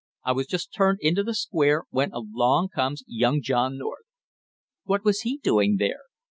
I was just turned into the Square when along comes young John North " "What was he doing there?"